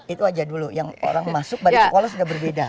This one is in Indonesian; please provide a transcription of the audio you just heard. itu aja dulu yang orang masuk badan sekolah sudah berbeda